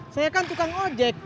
saya kan tukang ojek